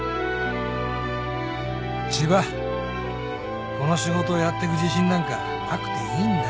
この仕事をやってく自信なんかなくていいんだよ